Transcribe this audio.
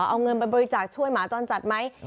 เอาเงินไปบริจาคช่วยหมาจรจัดไหม